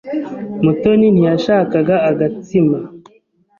Mutoni ntiyashakaga agatsima.